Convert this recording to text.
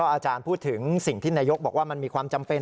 อาจารย์พูดถึงสิ่งที่นายกบอกว่ามันมีความจำเป็น